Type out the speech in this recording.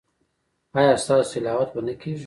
ایا ستاسو تلاوت به نه کیږي؟